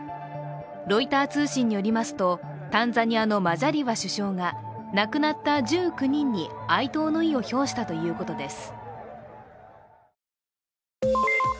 ロイター通信によりますと、タンザニアのマジャリワ首相が、亡くなった１９人に哀悼の意を表したということです。